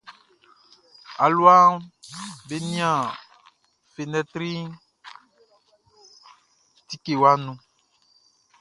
Alua ble nian fenɛtri tikewa nu.